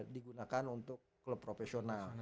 digunakan untuk klub profesional